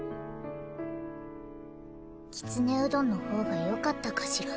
きつねうどんのほうがよかったかしら？